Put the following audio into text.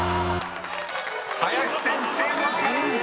［林先生のチャレンジ